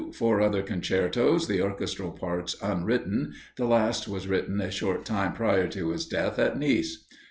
Four other concertos, the orchestral parts unwritten. The last was written a short time prior to his death, at Nice.